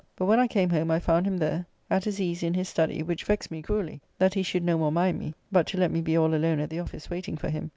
But when I came home I found him there at his ease in his study, which vexed me cruelly, that he should no more mind me, but to let me be all alone at the office waiting for him.